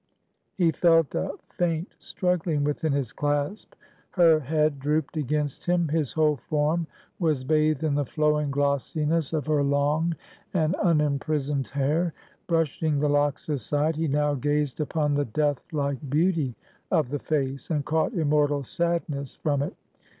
He felt a faint struggling within his clasp; her head drooped against him; his whole form was bathed in the flowing glossiness of her long and unimprisoned hair. Brushing the locks aside, he now gazed upon the death like beauty of the face, and caught immortal sadness from it.